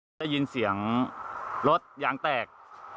เจอเจ้ายินเสียงรถยังแตก